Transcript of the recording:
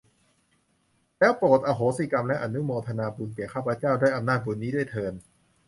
แล้วโปรดอโหสิกรรม และอนุโมทนาบุญแก่ข้าพเจ้า ด้วยอำนาจบุญนี้ด้วยเทอญ